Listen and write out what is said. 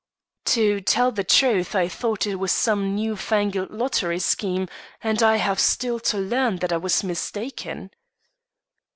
"To tell you the truth, I thought it was some new fangled lottery scheme, and I have still to learn that I was mistaken."